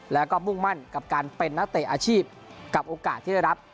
แล้วก็มุ่งมั่นกับการเป็นนักเตะอาชีพกับโอกาสที่ได้รับ